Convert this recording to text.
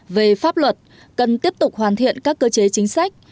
về pháp luật cần tiếp tục hoàn thiện các cơ chế chính sách